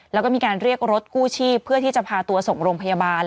แล้วก็มีการเรียกรถกู้ชีพเพื่อที่จะพาตัวส่งโรงพยาบาล